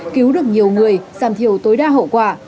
cứu được nhiều người giảm thiểu tối đa hậu quả